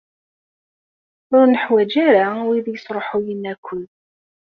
Ur neḥwaj ara wid yesṛuḥuyen akud.